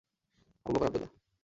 Abu Bakr Abdullah.